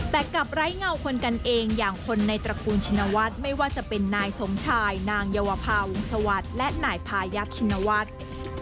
แต่กลับไร้เงาคนกันเองอย่างคนในตระกูลชินวัฒน์ไม่ว่าจะเป็นนายสมชายนางเยาวภาวงศวรรค์และนายพายับชินวัฒน์